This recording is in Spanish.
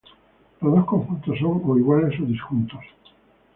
Los dos conjuntos son o iguales o disjuntos.